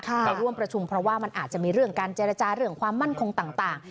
ไปร่วมประชุมเพราะว่ามันอาจจะมีเรื่องการเจรจาเรื่องความมั่นคงต่าง